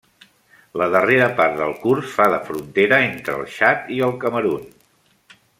La darrera part del curs fa de frontera entre el Txad i el Camerun.